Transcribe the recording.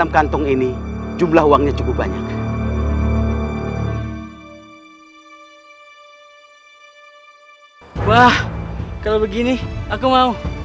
kalau begini aku mau